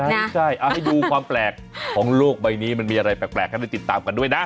ใช่เอาให้ดูความแปลกของโลกใบนี้มันมีอะไรแปลกให้ได้ติดตามกันด้วยนะ